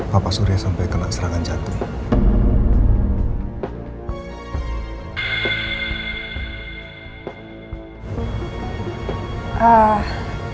bapak surya sampai kena serangan jantung